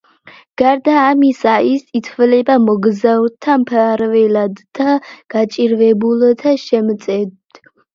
გარდა ამისა, ის ითვლება მოგზაურთა მფარველად და გაჭირვებულთა შემწედ.